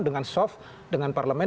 dengan soft dengan parlement